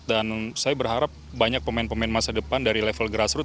dan saya berharap banyak pemain pemain masa depan dari level grassroot